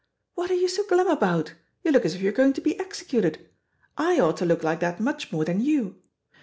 What are you so glum about? You look as if you were going to be executed. I ought to look like that much more than you.